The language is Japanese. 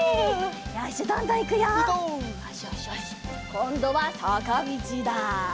こんどはさかみちだ！